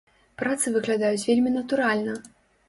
Працы выглядаюць вельмі натуральна.